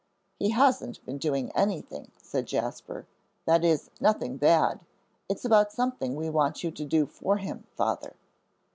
"He hasn't been doing anything," said Jasper, "that is, nothing bad. It's about something we want you to do for him, Father."